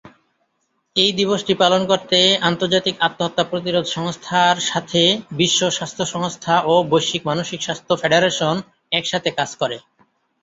এই দিবসটি পালন করতে আন্তর্জাতিক আত্মহত্যা প্রতিরোধ সংস্থার সাথে বিশ্ব স্বাস্থ্য সংস্থা ও বৈশ্বিক মানসিক স্বাস্থ্য ফেডারেশন একসাথে কাজ করে।